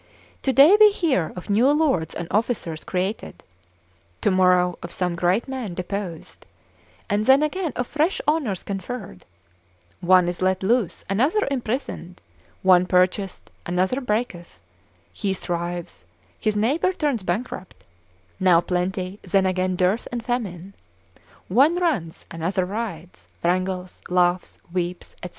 Today we hear of new lords and officers created, tomorrow of some great men deposed, and then again of fresh honours conferred; one is let loose, another imprisoned; one purchaseth, another breaketh: he thrives, his neighbour turns bankrupt; now plenty, then again dearth and famine; one runs, another rides, wrangles, laughs, weeps, &c.